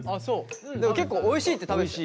結構おいしいって食べてたよ。